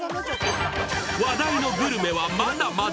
話題のグルメは、まだまだ！